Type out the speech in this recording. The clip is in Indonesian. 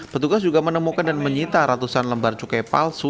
petugas juga menemukan dan menyita ratusan lembar cukai palsu